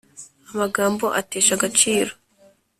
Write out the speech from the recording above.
Amagambo atesha agaciro